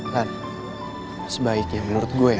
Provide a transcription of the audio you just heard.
kan sebaiknya menurut gue ya